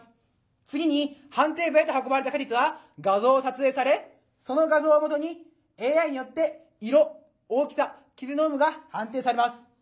次に判定部へと運ばれた果実は画像を撮影されその画像をもとにＡＩによって色大きさ傷の有無が判定されます。